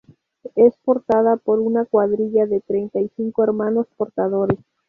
Es portada por una cuadrilla de treinta y cinco hermanos portadores.